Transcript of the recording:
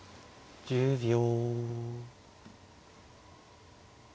１０秒。